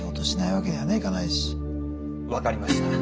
はい分かりました。